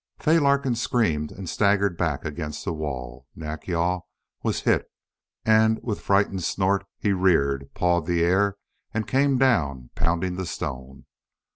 Fay Larkin screamed and staggered back against the wall. Nack yal was hit, and with frightened snort he reared, pawed the air, and came down, pounding the stone.